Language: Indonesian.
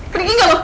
pergi gak mau